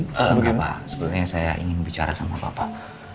enggak pak sebenarnya saya ingin bicara sama bapak